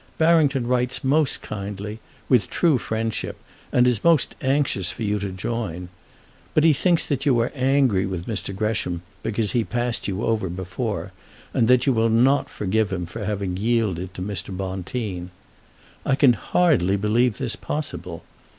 Barrington writes most kindly, with true friendship, and is most anxious for you to join. But he thinks that you are angry with Mr. Gresham because he passed you over before, and that you will not forgive him for having yielded to Mr. Bonteen. I can hardly believe this possible.